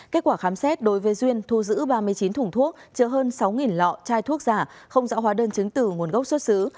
kết quả khám xét đối với duyên thu giữ ba mươi chín thùng thuốc chứa hơn sáu lọ chai thuốc giả không dạo hóa đơn chứng từ nguồn gốc xuất xứ